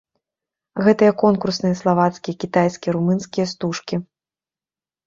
Гэтая конкурсныя славацкія, кітайскія, румынскія стужкі.